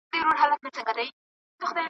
نه پسرلی نه مو ګېډۍ نه مو باغوان ولیدی .